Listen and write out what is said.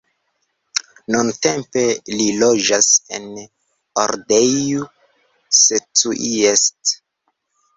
Nuntempe li loĝas en Odorheiu Secuiesc.